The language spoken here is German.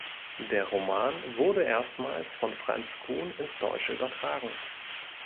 Der Roman wurde erstmals von Franz Kuhn ins Deutsche übertragen.